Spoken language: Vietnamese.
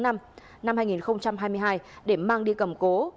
năm hai nghìn hai mươi hai để mang đi cầm cố